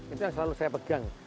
itu yang selalu saya pegang